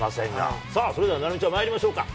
さあそれでは菜波ちゃん、まいりましょうか。